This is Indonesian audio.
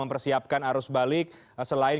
mempersiapkan arus balik selain